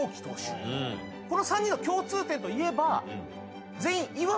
この３人の共通点といえば。